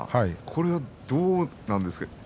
これはどうなんですかね